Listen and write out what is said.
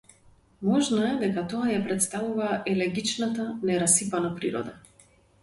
Можно е дека тоа ја претставува елегичната, нерасипана природа.